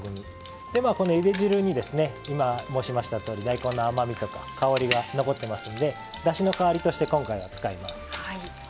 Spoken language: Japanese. このゆで汁に今申しましたとおり大根の甘みとか香りが残ってますんでだしの代わりとして今回は使います。